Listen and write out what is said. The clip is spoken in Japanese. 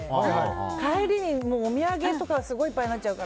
帰りにお土産とかでいっぱいになっちゃうから。